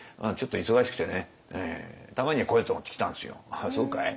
「ああそうかい？」